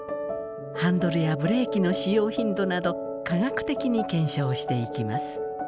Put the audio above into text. ハンドルやブレーキの使用頻度など科学的に検証していきます。